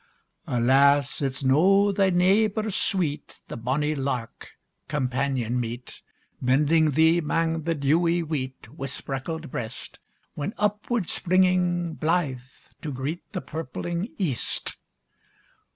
Alas! it's no thy neebor sweet, The bonnie lark, companion meet! Bending thee 'mang the dewy weet, Wi' spreckled breast, When upward springing, blithe, to greet The purpling east.